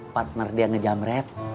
partner dia ngejam red